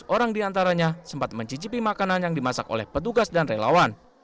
empat belas orang diantaranya sempat mencicipi makanan yang dimasak oleh petugas dan relawan